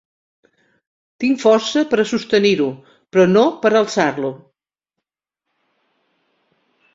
Tinc força per a sostenir-ho, però no per a alçar-ho.